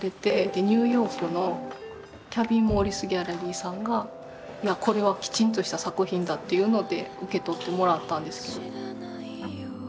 でニューヨークのキャビン・モリスギャラリーさんがこれはきちんとした作品だっていうので受け取ってもらったんですけど。